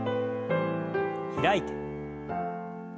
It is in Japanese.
開いて。